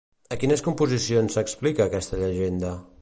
A quines composicions s'explica aquesta llegenda?